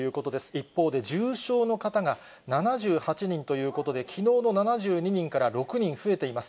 一方で重症の方が７８人ということで、きのうの７２人から６人増えています。